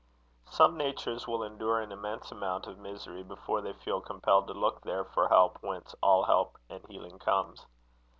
Some natures will endure an immense amount of misery before they feel compelled to look there for help, whence all help and healing comes.